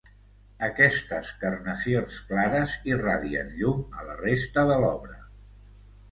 Aquestes carnacions clares irradien llum a la resta de l'obra.